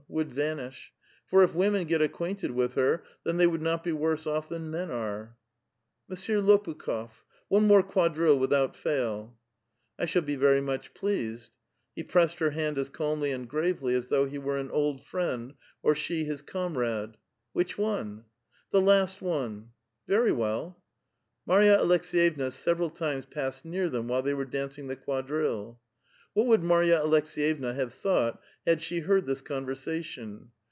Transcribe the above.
would vanish; for if women get acquainted with her, then they would not be worse off than men are." " Monsieur Lopukh6f ! one more quadrille, without fail !"" I shall be very much pleased." He pressed her hand as calml}' and gravely as though he were an old friend, or she his comrade. " Which one ?"" The last one." "Very well." Mai*ya Aleks^yevna several times passed near them while they were dancing the quadrille. What would Marj^a Aleks^yevna have thought had she heard this conversation